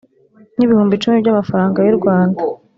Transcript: n ibihumbi icumi by amafaranga y u Rwanda